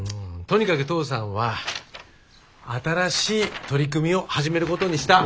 とにかく父さんは新しい取り組みを始めることにした。